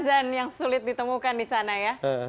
azan yang sulit ditemukan di sana ya